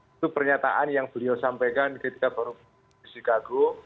itu pernyataan yang beliau sampaikan ketika baru di chicago